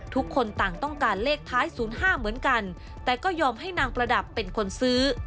ทุกคนต่างต้องการเลขท้าย๐๕เหมือนกันแต่ก็ยอมให้นางประดับเป็นคนซื้อ